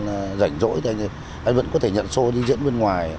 anh rảnh rỗi thì anh vẫn có thể nhận show đi diễn bên ngoài